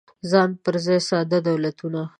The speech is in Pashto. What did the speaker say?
څای پر ځای ساده دولتونه